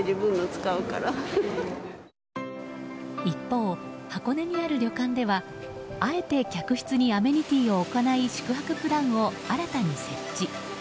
一方、箱根にある旅館ではあえて客室にアメニティーを置かない宿泊プランを新たに設置。